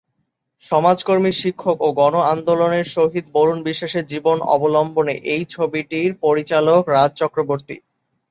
সমাজকর্মী, শিক্ষক ও গন আন্দোলনের শহীদ বরুণ বিশ্বাসের জীবন অবলম্বনে এই ছবিটির পরিচালক রাজ চক্রবর্তী।